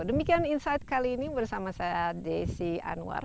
demikian insight kali ini bersama saya desi anwar